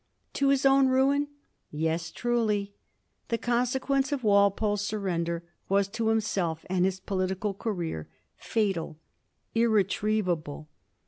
To his own ruin? Yes, truly. The consequence of Walpole's surrender was to himself and his political career fatal — irretrievable.